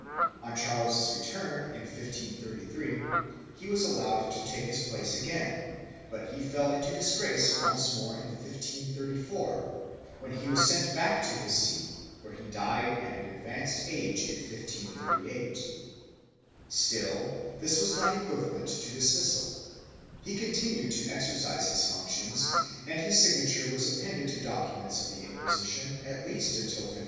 On Charles's return, in 1533, he was allowed to take his place again, but he fell into disgrace once more in 1534, when he was sent back to his see where he died at an advanced age in 1538. Still, this was not equivalent to dismissal; he con tinued to exercise his functions and his signature is appended to documents of the Inquisition at least until 1537.